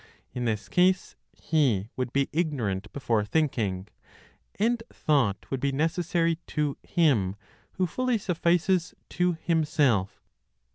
In this case, He would be ignorant before thinking, and thought would be necessary to Him, who fully suffices to Himself.